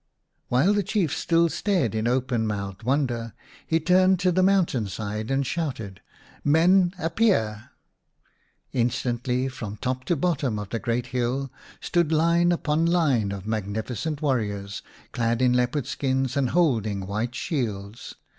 While the Chief still stared in open mouthed wonder, he turned to the mountain side and shouted, " Men, appear !" Instantly from top to bottom of the great hill stood line upon line of magnificent warriors, clad in leopard skins and holding white shields.